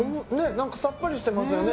何かさっぱりしてますよね